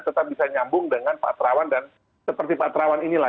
tetap bisa nyambung dengan pak terawan dan seperti pak terawan inilah